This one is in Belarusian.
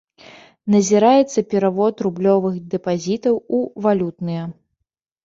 Назіраецца перавод рублёвых дэпазітаў у валютныя.